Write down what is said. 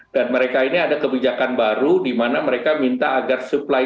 dan mereka ini ada kebijakan baru di mana mereka minta agar supply chain